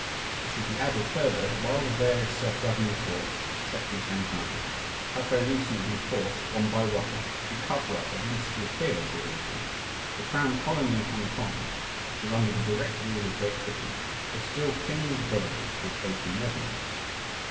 It should be added, further, that while the various self governing ports, excepting Shanghai, have very recently been forced, one by one, to cover up at least the appearance of evil, the crown colony of Hongkong, which is under the direct rule of Great Britain, is still clinging doggedly to its opium revenues.